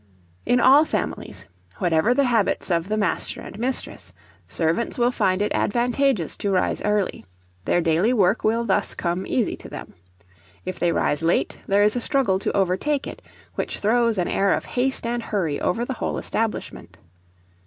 In all families, whatever the habits of the master and mistress, servants will find it advantageous to rise early; their daily work will thus come easy to them. If they rise late, there is a struggle to overtake it, which throws an air of haste and hurry over the whole establishment.